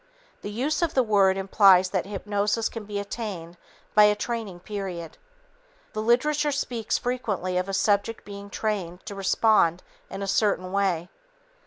The use of the word implies that hypnosis can be attained by a training period. The literature speaks frequently of a subject being trained to respond in a certain way.